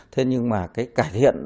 thế nhưng mà cái cải thiện